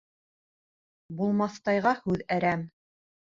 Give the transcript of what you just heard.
Булмаҫтайға һүҙ әрәм.